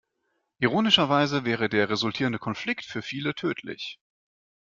Ironischerweise wäre der resultierende Konflikt für viele tödlich.